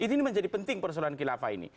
ini menjadi penting persoalan khilafah ini